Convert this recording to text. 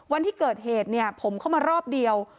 วันที่เกิดเหตุเนี่ยผมเข้ามารอบเดียว